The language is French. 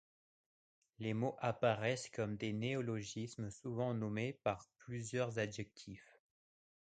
Les mots apparaissent ' comme des néologismes, souvent nommés par plusieurs adjectifs.